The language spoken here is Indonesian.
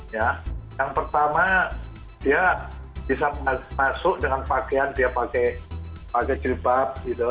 ya yang pertama dia bisa masuk dengan pakaian dia pakai jilbab gitu